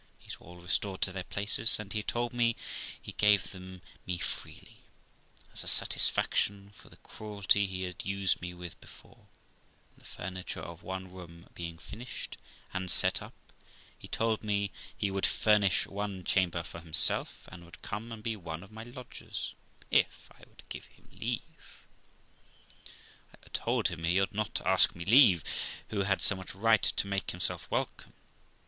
These were all restored to their places, and he told me he gave them me freely, as a satisfaction for the cruelty he had used me with before; and the furniture of one room being finished and set up, he told me he would furnish one chamber for himself, and would come and be one of my lodgers, if I would give him leave. I told him he ought not to ask me leave, who had so much right to make himself welcome.